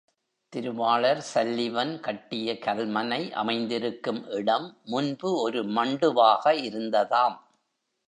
திருவாளர் சல்லிவன் கட்டிய கல்மனை அமைந்திருக்கும் இடம், முன்பு ஒரு மண்டுவாக இருந்ததாம்.